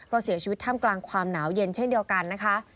ก็เสียชีวิตท่ามกลางความหนาวเย็นเช่นเดียวกันนะคะ